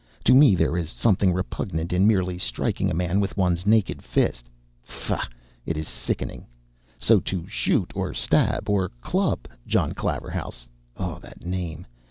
To me there is something repugnant in merely striking a man with one's naked fist—faugh! it is sickening! So, to shoot, or stab, or club John Claverhouse (oh, that name!)